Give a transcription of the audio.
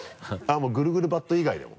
もうぐるぐるバット以外でも？